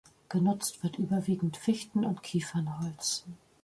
Genutzt wird überwiegend Fichten- und Kiefernholz.